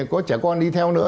có trẻ con đi theo nữa